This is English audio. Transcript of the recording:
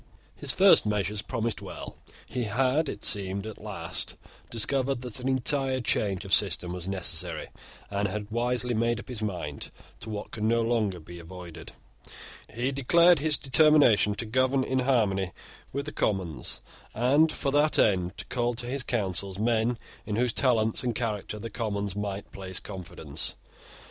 His first measures promised well. He had, it seemed, at last discovered that an entire change of system was necessary, and had wisely made up his mind to what could no longer be avoided. He declared his determination to govern in harmony with the Commons, and, for that end, to call to his councils men in whose talents and character the Commons might place confidence.